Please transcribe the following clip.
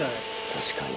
確かに。